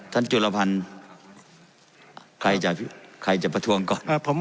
ท่านจุลพรรณใครจะประทวงก่อน